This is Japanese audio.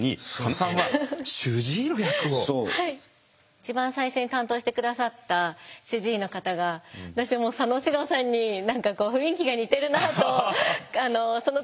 一番最初に担当して下さった主治医の方が私も佐野史郎さんに何か雰囲気が似てるなとその時。